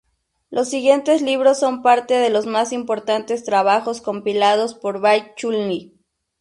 Los siguientes libros son parte de los más importantes trabajos compilados por Bai Chunli.